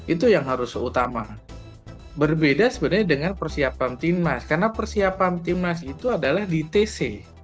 itu yang harus utama berbeda sebenarnya dengan persiapan tim nasional karena persiapan tim nasional itu adalah di tc